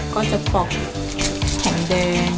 ก็จะปลอดภัณฑ์